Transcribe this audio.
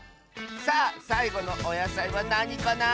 さあさいごのおやさいはなにかな？